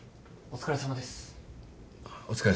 お疲れさまです。